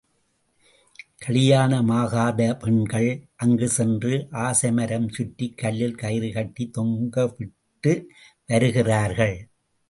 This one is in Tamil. கலியாணமாகாத பெண்கள் அங்குச் சென்று ஆசை மரம் சுற்றிக் கல்லில் கயிறு கட்டித் தொங்கவிட்டு வருகிறார்கள்.